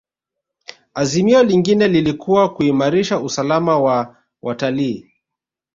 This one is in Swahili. azimio lingine lilikuwa kuimalisha usalama wa watalii